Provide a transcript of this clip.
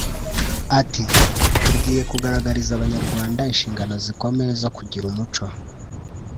Ati “Tugiye kugaragariza Abanyarwanda inshingano zikomeye zo kugira umuco